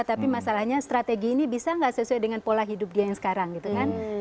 tapi masalahnya strategi ini bisa nggak sesuai dengan pola hidup dia yang sekarang gitu kan